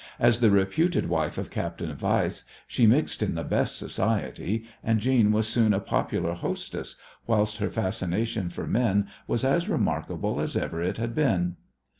As the reputed wife of Captain Weiss she mixed in the best society, and Jeanne was soon a popular hostess, whilst her fascination for men was as remarkable as ever it had been.